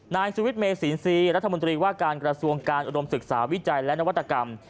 นายสุวิทย์เมสินทรีย์รัฐมนตรีว่าการกระทรวงการอุดมศึกษาวิจัยและนวัตกรรม